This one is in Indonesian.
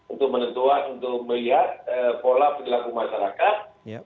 untuk menentukan untuk melihat pola perilaku masyarakat